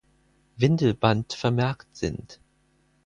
Windelband vermerkt sind.